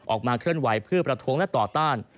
ออกมาเคลื่อนไหวเพื่อประท้วงและต่อต้าน